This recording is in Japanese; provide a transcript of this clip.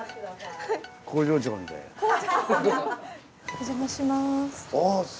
お邪魔します。